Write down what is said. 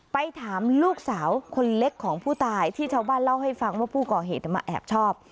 ไปถามลูกสาวคนเล็กของผู้ตายที่ชาวบ้านเล่าให้ฟังว่าผู้ก่อเหตุมาแอบชอบ